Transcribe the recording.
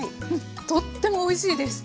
とってもおいしいです。